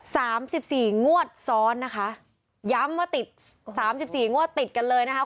สามสิบสี่งวดซ้อนนะคะย้ำว่าติดสามสิบสี่งวดติดกันเลยนะคะ